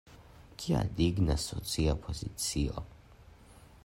Kia digna socia pozicio!